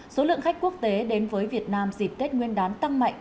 số lượng khách quốc tế đến với việt nam dịp tết nguyên đán tăng mạnh